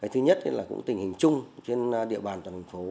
thứ nhất là tình hình chung trên địa bàn thành phố